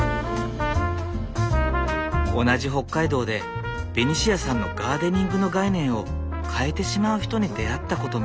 同じ北海道でベニシアさんのガーデニングの概念を変えてしまう人に出会ったことも。